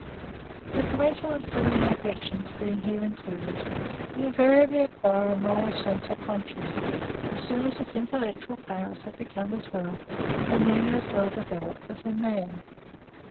the parental and filial affections being here included, would inevitably acquire a moral sense or conscience, as soon as its intellectual powers had become as well, or nearly as well developed, as in man.